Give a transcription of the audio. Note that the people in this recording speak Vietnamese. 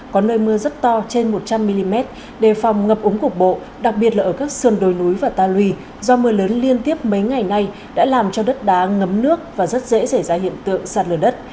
có nơi mưa rất to trên một trăm linh mm đề phòng ngập ống cục bộ đặc biệt là ở các sườn đồi núi và ta lùi do mưa lớn liên tiếp mấy ngày nay đã làm cho đất đá ngấm nước và rất dễ xảy ra hiện tượng sạt lở đất